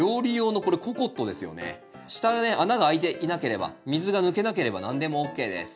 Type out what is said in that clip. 下ね穴が開いていなければ水が抜けなければ何でもＯＫです。